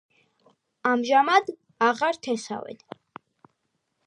ამჟამად აღარ თესავენ.